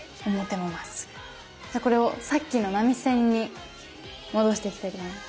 じゃこれをさっきの波線に戻していきたいと思います。